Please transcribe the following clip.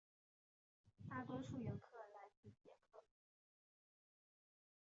大多数游客来自捷克。